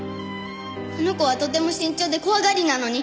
あの子はとても慎重で怖がりなのに。